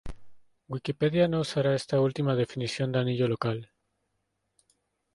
Wikipedia no usará esta última definición de anillo local.